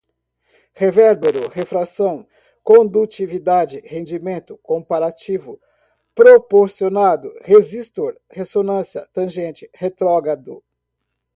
revérbero, refração, condutividade, rendimento, comparativo, proporcionado, resistor, ressonância, tangente, retrógrado